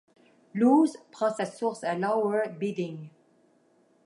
L'Ouse prend sa source à Lower Beeding.